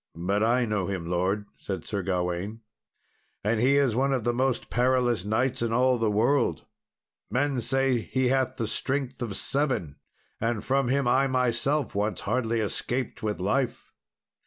"But I know him, lord," said Sir Gawain, "and he is one of the most perilous knights in all the world. Men say he hath the strength of seven; and from him I myself once hardly escaped with life."